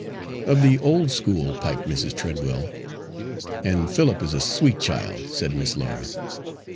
"Of the old school," piped Mrs. Treadwell. "And Philip is a sweet child," said Miss Laura.